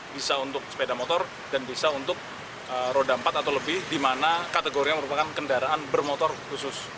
bisa untuk sepeda motor dan bisa untuk roda empat atau lebih di mana kategorinya merupakan kendaraan bermotor khusus